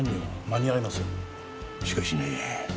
しかしね